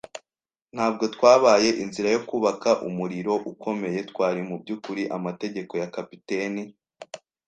ntabwo twabaye inzira yo kubaka umuriro ukomeye; twari, mubyukuri, amategeko ya capitaine,